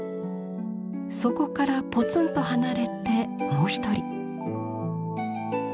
そこからポツンと離れてもう一人。